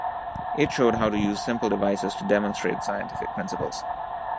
It showed how to use simple devices to demonstrate scientific principles.